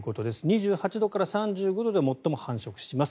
２８度から３５度で最も繁殖します。